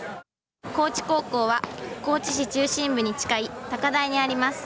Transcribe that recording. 高知高校は、高知市中心部に近い高台にあります。